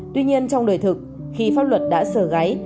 tuy nhiên trong đời thực khi pháp luật đã sở gáy